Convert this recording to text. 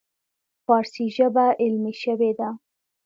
فارسي ژبه علمي شوې ده.